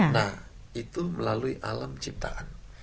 nah itu melalui alam ciptaan